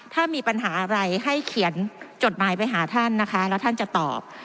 ถ้ามีปัญหาอะไรให้เขียนจดหมายไปหาท่านนะคะแล้วท่านจะตอบ